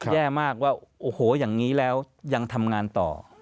แย่มากว่าโอ้โหอย่างนี้แล้วยังทำงานต่อ